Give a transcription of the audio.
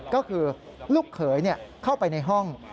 ก็คือลูกเขยเข้าไปในห้อง